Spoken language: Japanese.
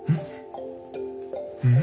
うん？